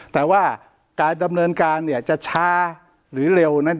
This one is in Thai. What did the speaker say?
แต่ว่าการดำเนินการเนี่ยจะช้าหรือเร็วนั้น